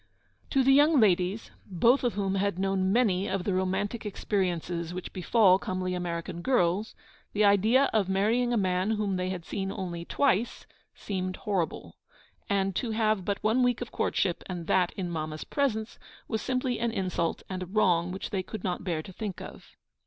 To the young ladies, both of whom had known many of the romantic experiences which befall comely American girls, the idea of marrying a man whom they had only seen twice seemed horrible; and to have but one week of courtship, and that in Mamma's presence, was simply an insult and a wrong which they would not bear to think of.